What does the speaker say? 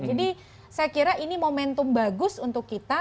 jadi saya kira ini momentum bagus untuk kita